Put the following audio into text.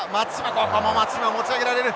ここも松島持ち上げられる！